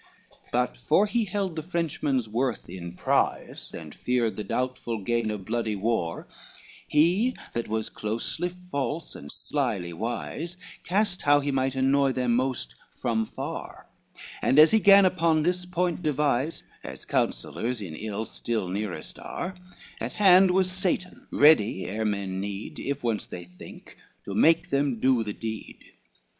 XXII But for he held the Frenchmen's worth in prize, And feared the doubtful gain of bloody war, He, that was closely false and slyly war, Cast how he might annoy them most from far: And as he gan upon this point devise,— As counsellors in ill still nearest are,— At hand was Satan, ready ere men need, If once they think, to make them do, the deed.